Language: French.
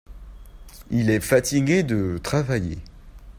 Il est fatigué de travailler.